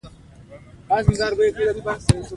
پښې مې یبلي